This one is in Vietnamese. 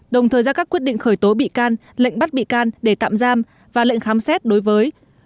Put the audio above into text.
đồng thời ra các quyết định khởi tố bị can lệnh bắt bị can để tạm giam và lệnh khám xét đối với